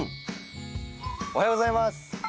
おはようございます。